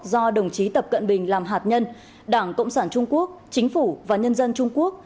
do đồng chí tập cận bình làm hạt nhân đảng cộng sản trung quốc chính phủ và nhân dân trung quốc